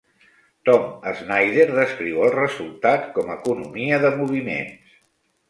Tom Snyder descriu el resultat com "economia de moviments".